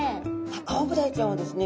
アオブダイちゃんはですね